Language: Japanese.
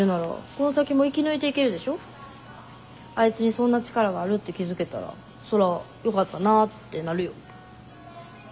あいつにそんな力があるって気付けたらそりゃ「よかったなぁ」ってなるよ。